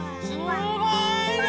すごいね！